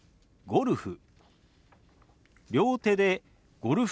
「ゴルフ」。